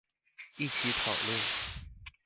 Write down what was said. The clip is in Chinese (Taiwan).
一起討論